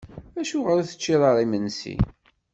Acuɣer ur teččiḍ ara imensi?